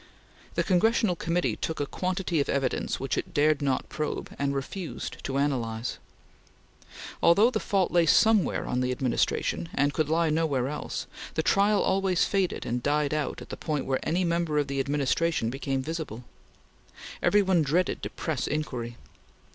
The Congressional Committee took a quantity of evidence which it dared not probe, and refused to analyze. Although the fault lay somewhere on the Administration, and could lie nowhere else, the trail always faded and died out at the point where any member of the Administration became visible. Every one dreaded to press inquiry.